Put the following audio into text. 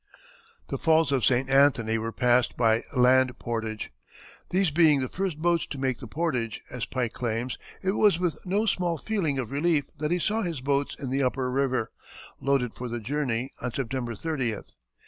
The Falls of St. Anthony were passed by land portage. These being the first boats to make the portage, as Pike claims, it was with no small feeling of relief that he saw his boats in the upper river, loaded for the journey, on September 30th.